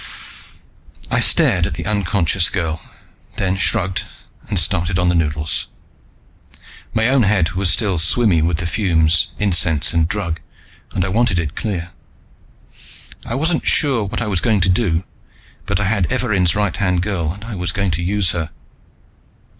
I stared at the unconscious girl, then shrugged and started on the noodles. My own head was still swimmy with the fumes, incense and drug, and I wanted it clear. I wasn't quite sure what I was going to do, but I had Evarin's right hand girl, and I was going to use her.